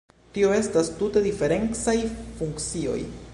Tio estas tute diferencaj funkcioj.